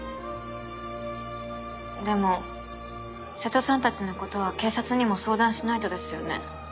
でも瀬戸さんたちのことは警察にも相談しないとですよね。